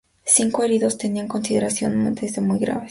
Cinco heridos tenían consideración de muy graves.